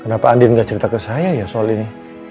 kenapa andin tidak cerita ke saya ya soal ini